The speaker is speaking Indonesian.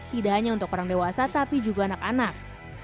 tidak hanya untuk orang dewasa tapi juga anak anak